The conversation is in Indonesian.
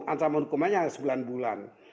ancaman hukumnya sembilan bulan